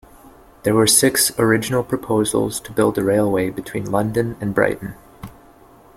There were six original proposals to build a railway between London and Brighton.